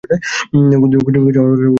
কুসুম আবার বলিল, ওলো মতি, শুনছিস?